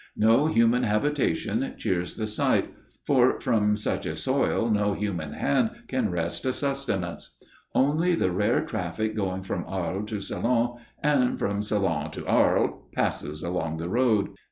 No human habitation cheers the sight, for from such a soil no human hand could wrest a sustenance. Only the rare traffic going from Arles to Salon and from Salon to Arles passes along the road.